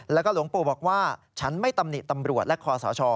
แล้วก็หลวงปู่บอกว่าฉันไม่ตำหนิตำรวจและคอสช